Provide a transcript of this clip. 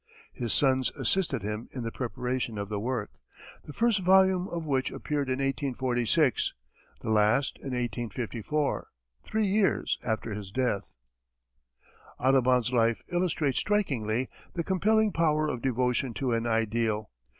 His sons assisted him in the preparation of the work, the first volume of which appeared in 1846, the last in 1854, three years after his death. Audubon's life illustrates strikingly the compelling power of devotion to an ideal.